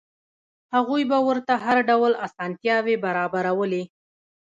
هغوی به ورته هر ډول اسانتیاوې برابرولې.